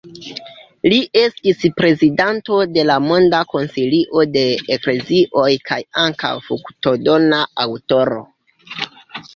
Li estis prezidanto de la Monda Konsilio de Eklezioj kaj ankaŭ fruktodona aŭtoro.